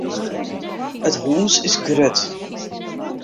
It hûs is grut.